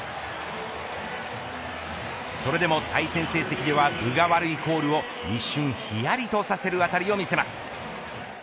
それでも対戦成績では分が悪いコールを一瞬ひやりとさせる当たりを見せます。